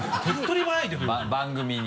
番組に。